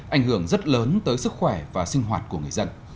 ảnh hưởng rất lớn tới sức khỏe và sinh hoạt của người dân